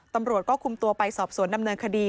ตำรวจก็คุมตัวไปสอบสวนดำเนินคดี